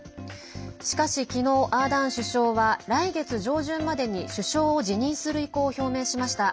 しかし、昨日、アーダーン首相は来月上旬までに首相を辞任する意向を表明しました。